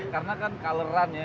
karena kan color run ya